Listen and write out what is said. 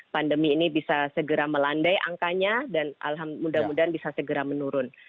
pandemi ini bisa segera melandai angkanya dan mudah mudahan bisa segera menurun